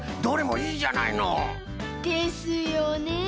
どれもいいじゃないの。ですよね。